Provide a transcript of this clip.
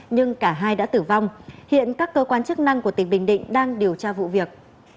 nhưng cả hai đã tử vong hiện các cơ quan chức năng của tỉnh bình định đang điều tra vụ việc